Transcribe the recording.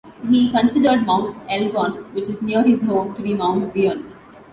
He considered Mount Elgon which is near his home to be Mount Zion.